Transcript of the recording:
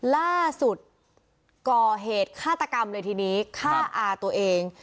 ล่าสุดก่อเหตุฆาตกรรมเลยทีนี้ฆ่าอาตัวเอง